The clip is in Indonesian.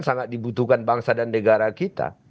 sangat dibutuhkan bangsa dan negara kita